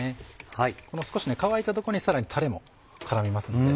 この少し乾いたとこにさらにタレも絡みますので。